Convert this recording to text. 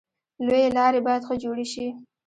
لویې لارې باید ښه جوړې شي.